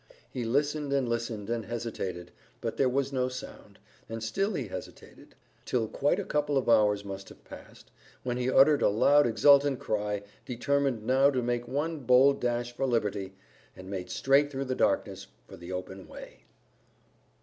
He listened and listened and hesitated, but there was no sound, and still he hesitated, till quite a couple of hours must have passed, when he uttered a loud exultant cry, determined now to make one bold dash for liberty, and made straight through the darkness for the open way.